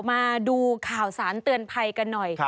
มาดูข่าวสารเตือนภัยกันหน่อย